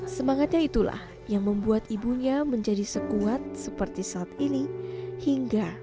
semangatnya itulah yang membuat ibunya menjadi sekuat seperti saat ini hingga